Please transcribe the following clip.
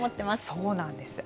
そうなんです。